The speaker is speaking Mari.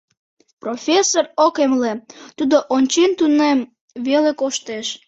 Профессор ок эмле, тудо ончен, тунем веле коштеш.